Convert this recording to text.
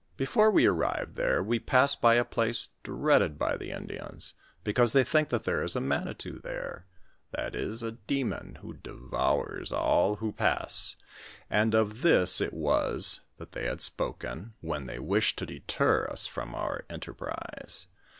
Before we arrived there, we passed by a place dreaded by the Indians, because they think that there is a manitou there, that is, a demon who devours all who pass, and of this it was, that they had spoken, when they wished to deter us from our enter prise.